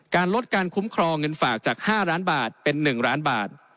ลดการคุ้มครองเงินฝากจาก๕ล้านบาทเป็น๑ล้านบาท